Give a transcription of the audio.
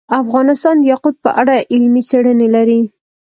افغانستان د یاقوت په اړه علمي څېړنې لري.